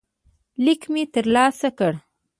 لیک مې ترلاسه کړ.